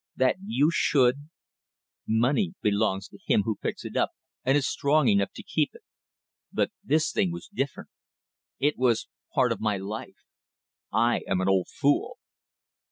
But that you should ... Money belongs to him who picks it up and is strong enough to keep it but this thing was different. It was part of my life. ... I am an old fool."